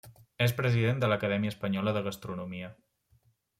És president de l’Acadèmia Espanyola de Gastronomia.